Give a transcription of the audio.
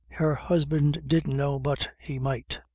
Her husband didn't know but he might.